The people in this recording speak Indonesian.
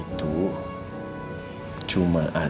dia masih berada di rumah saya